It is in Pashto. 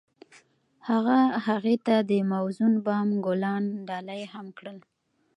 هغه هغې ته د موزون بام ګلان ډالۍ هم کړل.